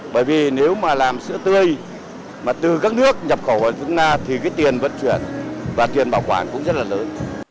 bởi vì nếu mà làm sữa tươi mà từ các nước nhập khẩu ở trung nga thì cái tiền vận chuyển và tiền bảo quản cũng rất là lớn